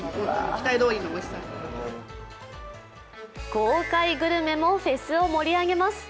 豪快グルメもフェスを盛り上げます。